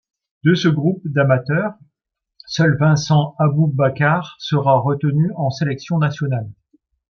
De ce groupe d'amateurs, Seul Vincent Aboubakar sera retenu en sélection nationale.